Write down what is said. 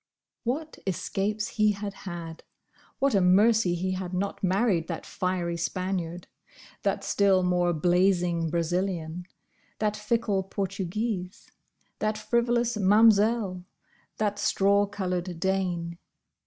What escapes he had had! What a mercy he had not married that fiery Spaniard; that still more blazing Brazilian; that fickle Portuguese; that frivolous Mam'selle; that straw coloured Dane.